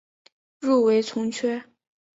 入围从缺。